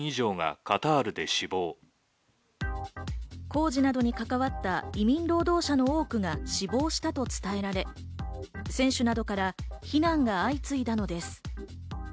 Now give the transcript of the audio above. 工事などに関わった移民労働者の多くが死亡したと伝えられ、選手などから非難が相次いだのです。